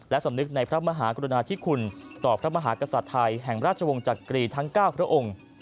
และสำนึกในพระมหากรุณาธิคุณต่อพระมหากษัตริย์ไทยแห่งราชวงศ์จักรีทั้ง๙พระองค์